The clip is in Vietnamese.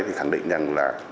thì khẳng định rằng là